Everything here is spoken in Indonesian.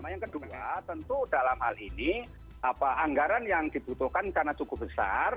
yang kedua tentu dalam hal ini anggaran yang dibutuhkan karena cukup besar